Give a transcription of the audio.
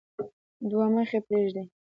دوه مخي پريږدي.